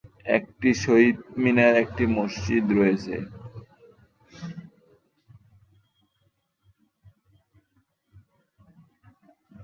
একটি শহীদ মিনার, একটি মসজিদ রয়েছে।